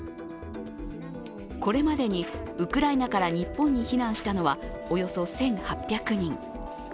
これまでに、ウクライナから日本に避難したのはおよそ１８００人。